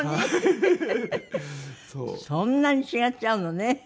そんなに違っちゃうのね。